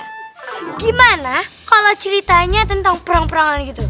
gimana kalau ceritanya tentang perang perangan gitu